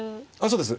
そうです。